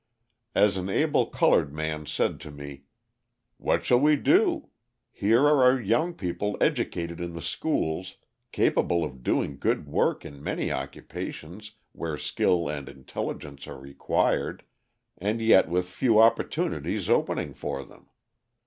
As an able coloured man said to me: "What shall we do? Here are our young people educated in the schools, capable of doing good work in many occupations where skill and intelligence are required and yet with few opportunities opening for them.